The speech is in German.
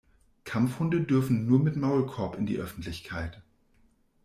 Kampfhunde dürfen nur mit Maulkorb in die Öffentlichkeit.